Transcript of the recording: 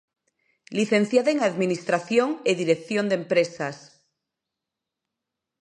Licenciada en Administración e Dirección de empresas.